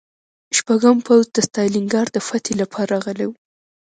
شپږم پوځ د ستالینګراډ د فتحې لپاره راغلی و